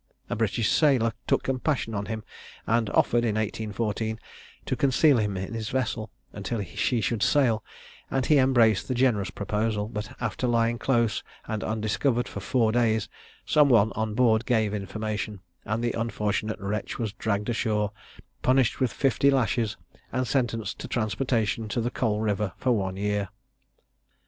A British sailor took compassion on him and offered, in 1814, to conceal him in his vessel, until she should sail, and he embraced the generous proposal; but after lying close and undiscovered for four days, some one on board gave information, and the unfortunate wretch was dragged ashore, punished with fifty lashes, and sentenced to transportation to the Coal River for one year.